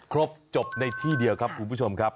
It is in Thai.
ครบจบในที่เดียวครับคุณผู้ชมครับ